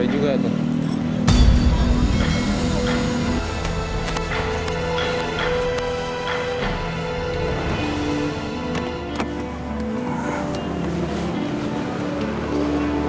kita akan menerima uang lagi